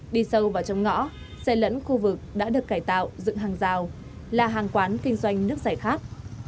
đi sâu vào trong ngõ xe lẫn khu vực đã được cải tạo dựng hàng rào là hàng quán kinh doanh nước giải khát